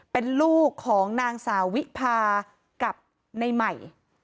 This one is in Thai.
เป็นลูกของนางสาววิพากับในใหม่